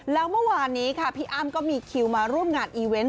แล้วเมื่อวานนี้ค่ะพี่อ้ำก็มีคิวมาร่วมงานอีเวนต์